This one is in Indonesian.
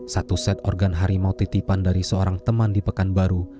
satu set organ harimau titipan dari seorang teman di pekanbaru